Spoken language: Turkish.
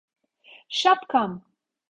Şapkam!